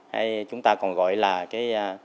hay chúng ta còn gọi là